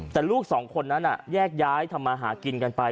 แต่ลูกสองคนนั้นแยกย้ายทำมาหากินกันไป